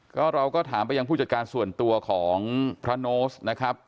ก็เราก็ถามไปยังผู้จัดการส่วนตัวของพระโน้ตนะครับ